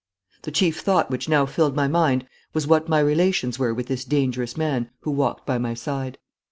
The chief thought which now filled my mind was what my relations were with this dangerous man who walked by my side.